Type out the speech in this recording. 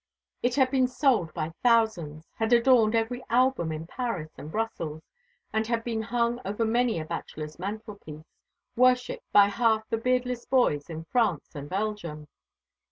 It had been sold by thousands, had adorned every album in Paris and Brussels, and had been hung over many a bachelor's mantelpiece, worshipped by half the beardless boys in France and Belgium.